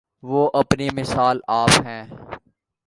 وہ اپنی مثال آپ ہے۔